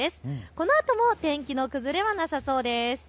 このあとも天気の崩れはなさそうです。